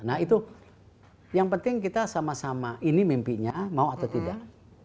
nah itu yang penting kita sama sama ini mimpinya mau atau tidak